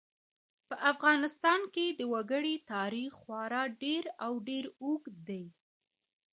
په افغانستان کې د وګړي تاریخ خورا ډېر او ډېر اوږد دی.